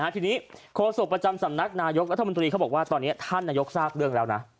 ทีนี้โฆษกประจำสำนักนายกรัฐมนตรีเขาบอกว่าตอนนี้ท่านนายกทราบเรื่องแล้วนะ